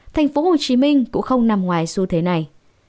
thành phố hồ chí minh cũng không nằm ngoài xu thế này